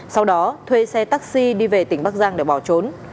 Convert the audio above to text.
sau đó thuê xe taxi đi về tỉnh bắc giang để bỏ trốn